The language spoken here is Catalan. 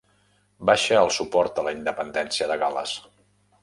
Baixa el suport a la independència de Gal·les